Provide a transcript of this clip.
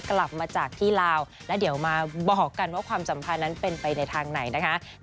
กลับมาจากที่ลาวแล้วเดี๋ยวมาบอกกันว่าความสัมพันธ์นั้นเป็นไปในทางไหนนะคะ